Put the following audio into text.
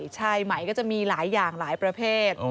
ใช่ไหมก็จะมีหลายอย่างหลายประเภท